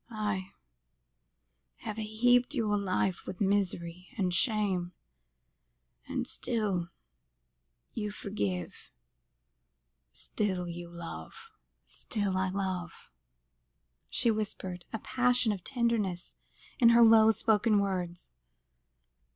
I have heaped your life with misery and shame and still you forgive still you love." "Still I love," she whispered, a passion of tenderness in the low spoken words.